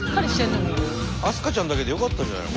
明香ちゃんだけでよかったんじゃないの？